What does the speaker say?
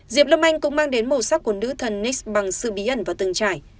diệp lâm anh cũng mang đến màu sắc của nữ thần nix bằng sự bí ẩn và từng trải